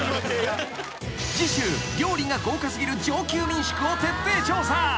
［次週料理が豪華過ぎる上級民宿を徹底調査］